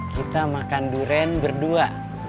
kita makan durian berdua